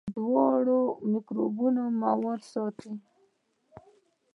بوتل له دوړو او مکروبي موادو ساتي.